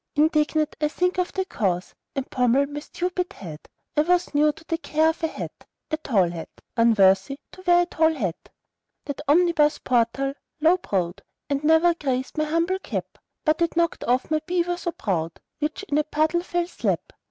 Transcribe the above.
Indignant I think on the cause, And pommel my stupid head. I was new to the care of a hat, A tall hat, Unworthy to wear a tall hat. The omnibus portal, low browed, Had ne'er grazed my humble cap, But it knocked off my beaver so proud, Which into a puddle fell slap.